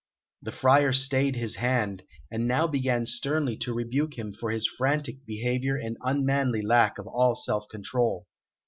The Friar stayed his hand, and now began sternly to rebuke him for his frantic behaviour and unmanly lack of all self control.